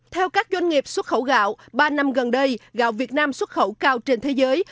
theo các doanh nghiệp xuất khẩu gạo ba năm gần đây gạo việt nam xuất khẩu cao trên thế giới